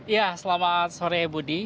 ya selamat sore budi